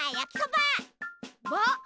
ば。